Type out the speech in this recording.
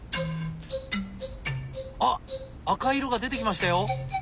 あっ赤い色が出てきましたよ！